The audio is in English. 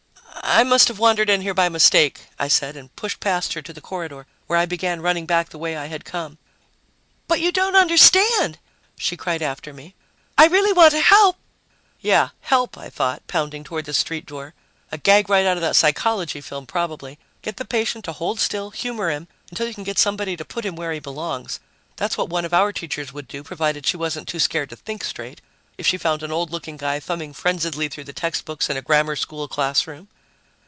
"I must have wandered in here by mistake," I said, and pushed past her to the corridor, where I began running back the way I had come. "But you don't understand!" she cried after me. "I really want to help " Yeah, help, I thought, pounding toward the street door. A gag right out of that psychology film, probably get the patient to hold still, humor him, until you can get somebody to put him where he belongs. That's what one of our teachers would do, provided she wasn't too scared to think straight, if she found an old looking guy thumbing frenziedly through the textbooks in a grammar school classroom.